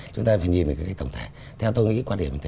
chúng ta phải nhìn về cái tổng thể theo tôi nghĩ quan điểm như thế